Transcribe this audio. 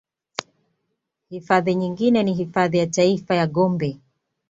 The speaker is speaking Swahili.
Hifadhi nyingine ni hifadhi ya taifa ya Gombe